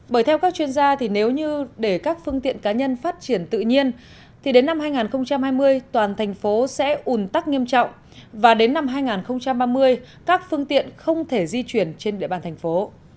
bởi theo các chuyên gia nếu như để các phương tiện cá nhân phát triển tự nhiên thì đến năm hai nghìn hai mươi toàn thành phố sẽ ủn tắc nghiêm trọng và đến năm hai nghìn ba mươi các phương tiện không thể di chuyển trên địa bàn thành phố